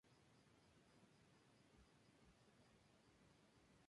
No sabrás como es hasta que no te pongas en sus zapatos